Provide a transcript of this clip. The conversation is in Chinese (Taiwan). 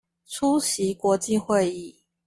出席國際會議